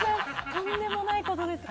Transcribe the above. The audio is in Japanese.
とんでもないことです。